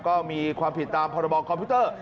ก็มีความผิดตามพรบคอมพิวเตอร์